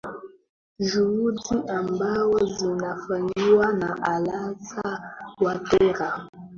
juhudi ambazo zinafanywa na alasan watera